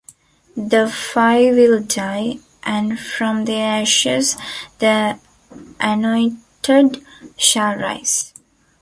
The Five will die, and from their ashes the Anointed shall rise.